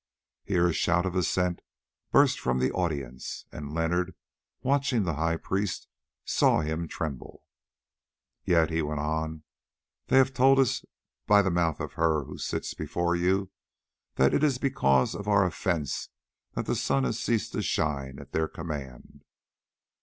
Here a shout of assent burst from the audience, and Leonard watching the high priest saw him tremble. "Yet," he went on, "they have told us by the mouth of her who sits before you, that it is because of our offences that the sun has ceased to shine at their command.